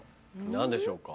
何でしょうか？